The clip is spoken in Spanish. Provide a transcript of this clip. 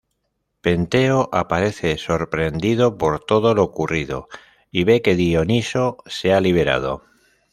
Penteo aparece sorprendido por todo lo ocurrido y ve que Dioniso se ha liberado.